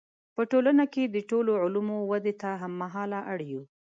په ټولنه کې د ټولو علومو ودې ته هم مهاله اړ یو.